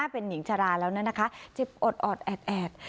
เป็นหญิงชราแล้วนั้นนะคะเจ็บอดแอด